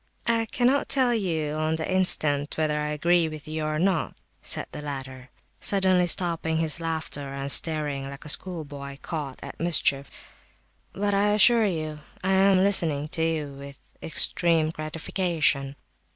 "I cannot tell you on the instant whether I agree with you or not," said the latter, suddenly stopping his laughter, and starting like a schoolboy caught at mischief. "But, I assure you, I am listening to you with extreme gratification."